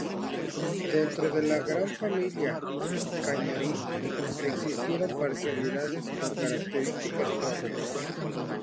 Dentro de la gran familia cañari existieron parcialidades con características propias.